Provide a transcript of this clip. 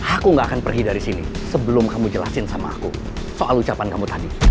aku gak akan pergi dari sini sebelum kamu jelasin sama aku soal ucapan kamu tadi